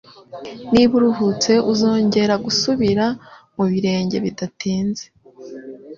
Niba uruhutse uzongera gusubira mu birenge bidatinze